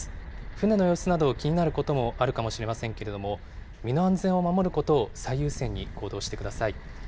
船の様子など、気になることもあるかもしれませんけれども、身の安全を守ることを最優先に行動してください。